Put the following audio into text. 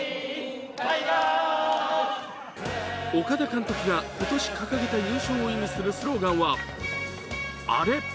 岡田監督が今年掲げた優勝を意味するスローガンは「Ａ．Ｒ．Ｅ」。